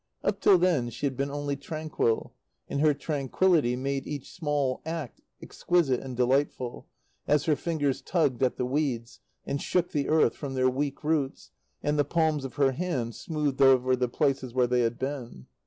Up till then she had been only tranquil; and her tranquillity made each small act exquisite and delightful, as her fingers tugged at the weeds, and shook the earth from their weak roots, and the palms of her hand smoothed over the places where they had been.